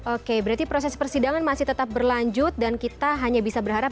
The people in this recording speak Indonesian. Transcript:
oke berarti proses persidangan masih tetap berlanjut dan kita hanya bisa berharap